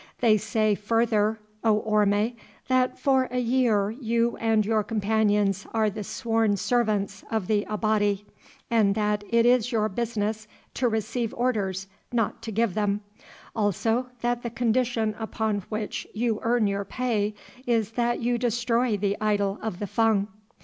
They say, further, O Orme, that for a year you and your companions are the sworn servants of the Abati, and that it is your business to receive orders, not to give them, also that the condition upon which you earn your pay is that you destroy the idol of the Fung.